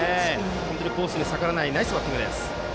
本当にコースに逆らわないナイスバッティングです。